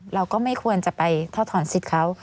เราก็ไม่ควรจะไปทอดถอนสิทธิ์เขา